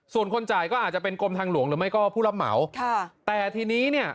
ส่วนคนจ่ายก็อาจจะเป็นกรมทางหลวงหรือไม่ก็ผู้รับเหมาค่ะแต่ทีนี้เนี่ย